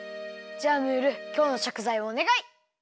じゃあムールきょうのしょくざいおねがい！